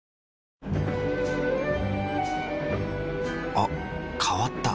あ変わった。